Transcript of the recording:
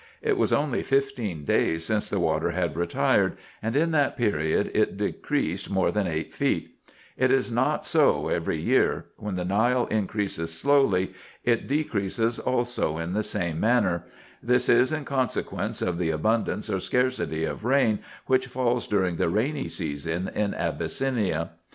It was only fifteen days since the water had retired, and in that period it decreased more than eight feet, It is not so every year : when the Nile increases slowly, it decreases also in the same manner ; this is in consequence of the abundance or scarcity of rain which falls during the rainy season in Abyssinia.